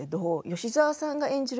吉沢さんが演じる